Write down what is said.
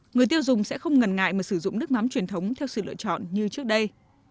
người tiêu dùng sẽ không ngần ngại mà sử dụng nước mắm truyền thống theo sự lựa chọn như trước đây